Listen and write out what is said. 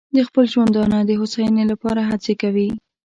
د خپل ژوندانه د هوساینې لپاره هڅې کوي.